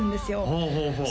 ほうほうほう